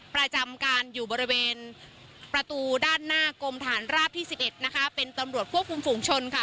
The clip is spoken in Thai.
ประจำการอยู่บริเวณประตูด้านหน้ากรมฐานราบที่๑๑นะคะเป็นตำรวจควบคุมฝูงชนค่ะ